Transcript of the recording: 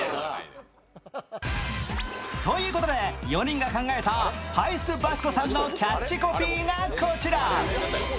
ということで４人が考えたＰＡＩＳＶＡＳＣＯさんのキャッチコピーがこちら。